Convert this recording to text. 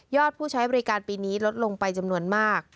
ผู้ใช้บริการปีนี้ลดลงไปจำนวนมาก